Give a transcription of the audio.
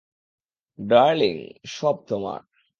Darling, সব তোমার।